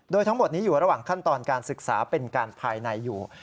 โดยทั้งหมดนี้อยู่ระหว่างขั้นตอนการศึกษาเป็นการภายในอยู่